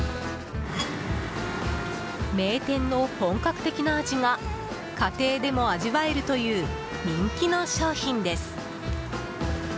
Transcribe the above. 名店の本格的な味が、家庭でも味わえるという人気の商品です。